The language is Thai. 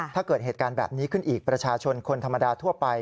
ถ้าเกิดเหตุการณ์แบบนี้ขึ้นอีกประชาชนคนธรรมดาทั่วไป